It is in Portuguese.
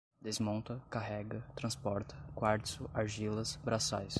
desmonta, carrega, transporta, quartzo, argilas, braçais